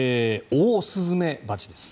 オオスズメバチです。